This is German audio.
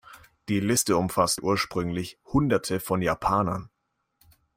Die Liste umfasste ursprünglich Hunderte von Japanern.